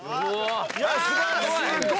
素晴らしい！